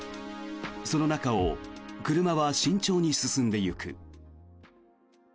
その中を車は慎重に進んでゆく。